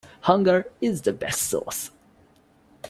Hunger is the best sauce.